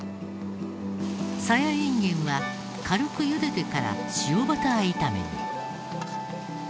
サヤインゲンは軽くゆでてから塩バター炒めに。